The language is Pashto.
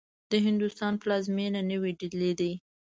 د هندوستان پلازمېنه نوې ډيلې دې.